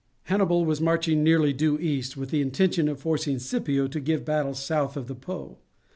Hannibal was marching nearly due east, with the intention of forcing Scipio to give battle south of the Po.